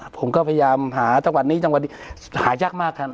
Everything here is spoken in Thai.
ผมก็พยายามหาจังหวัดนี้หายากมากท่าน